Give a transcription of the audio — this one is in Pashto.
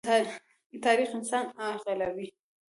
تاریخ انسان عاقلوي.